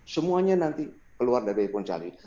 semuanya nanti keluar dari rekonsiliasi